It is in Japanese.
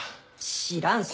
知らんし。